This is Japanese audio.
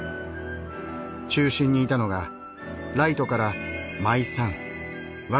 中心にいたのがライトからｍｙｓｏｎ